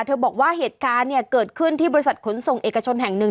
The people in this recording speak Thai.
บอกว่าเหตุการณ์เนี่ยเกิดขึ้นที่บริษัทขนส่งเอกชนแห่งหนึ่ง